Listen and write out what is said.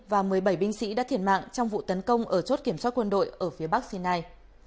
và một mươi bảy binh sĩ đã thiệt mạng trong vụ tấn công ở chốt kiểm soát quân đội ở phía bắc sinai